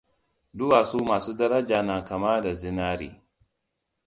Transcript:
Duwatsu masu daraja na kama da zinari.